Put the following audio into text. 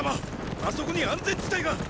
あそこに安全地帯が！